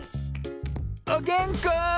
おげんこ！